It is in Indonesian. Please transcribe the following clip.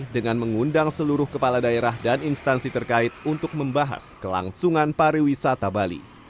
dengan mengundang seluruh kepala daerah dan instansi terkait untuk membahas kelangsungan pariwisata bali